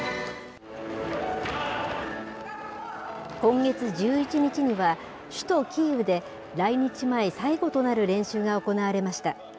今月１１日には、首都キーウで、来日前最後となる練習が行われました。